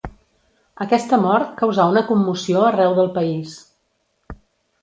Aquesta mort causà una commoció arreu del país.